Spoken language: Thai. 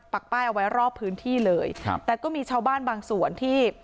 ป้ายเอาไว้รอบพื้นที่เลยครับแต่ก็มีชาวบ้านบางส่วนที่